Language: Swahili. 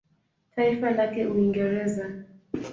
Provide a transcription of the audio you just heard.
Taifa lake Uingereza.